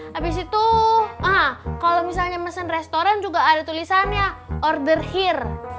habis itu kalau misalnya mesen restoran juga ada tulisannya order hear